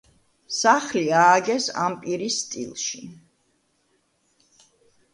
სახლი ააგეს ამპირის სტილში.